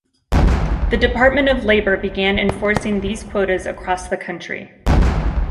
The Department of Labor began enforcing these quotas across the country.